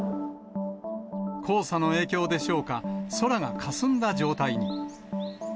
黄砂の影響でしょうか、空がかすんだ状態に。